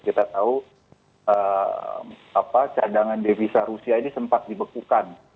kita tahu cadangan devisa rusia ini sempat dibekukan